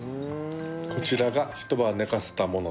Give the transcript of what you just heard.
こちらが一晩寝かせたものです。